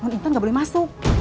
non intan gak boleh masuk